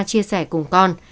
chia sẻ cùng con